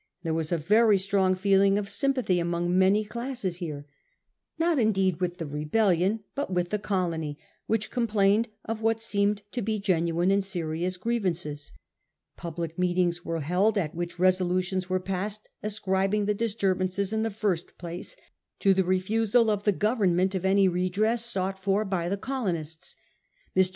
There was a very strong feeling of sympathy among many classes here — not, indeed, with the rebellion, but with the colony which complained of what seemed to be genuine and serious grievances. Public meetings were held at which resolutions were passed ascrib ing the disturbances in the first place to the refusal by the Government of any redress sought for by the colonists. Mr.